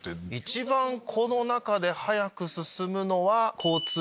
一番この中で早く進むのは。